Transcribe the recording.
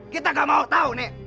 kita gak mau tau nek